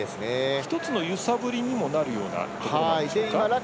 １つのゆさぶりにもなるところなんでしょうか。